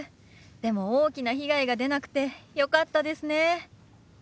でも大きな被害が出なくてよかったですね。